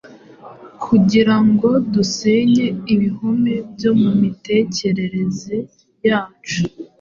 kugira ngo dusenye ibihome byo mu mitekerereze yacu.